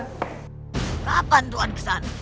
kapan tuhan ke sana